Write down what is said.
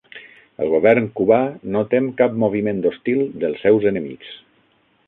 El govern cubà no tem cap moviment hostil dels seus enemics